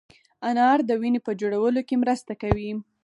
انار د وینې په جوړولو کې مرسته کوي.